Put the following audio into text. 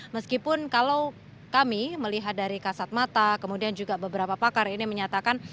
meskipun kalau kami melihat dari kasat mata kemudian juga beberapa pakar ini menyatakan